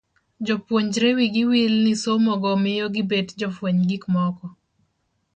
Jopuonjre wi gi wil ni somo go miyo gibet jofweny gik moko.